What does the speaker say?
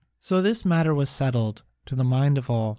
So this matter was settled to the mind of all.